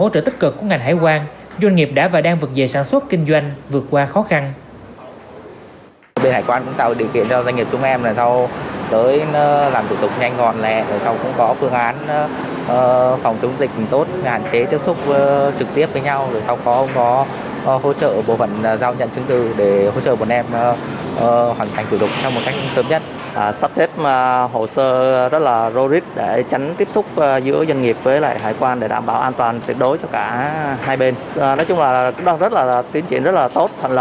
trước cực của ngành hải quan doanh nghiệp đã và đang vượt về sản xuất kinh doanh vượt qua khó khăn